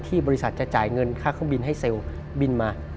บริษัทจะจ่ายเงินค่าเครื่องบินให้เซลล์บินมา